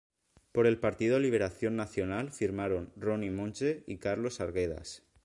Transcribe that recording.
Por el Partido Liberación Nacional firmaron Ronny Monge y Carlos Arguedas.